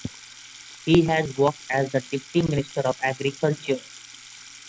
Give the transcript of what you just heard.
He has worked as the Deputy Minister of Agriculture.